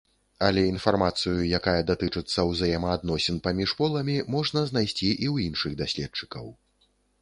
Але інфармацыю, якая датычыцца ўзаемаадносін паміж поламі, можна знайсці і ў іншых даследчыкаў.